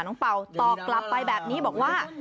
เป่าตอบกลับไปแบบนี้บอกว่า